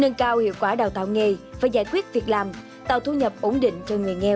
nâng cao hiệu quả đào tạo nghề và giải quyết việc làm tạo thu nhập ổn định cho người nghèo